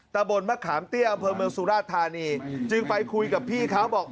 ตะบนมะขามเตี้ยอำเภอเมืองสุราชธานีจึงไปคุยกับพี่เขาบอก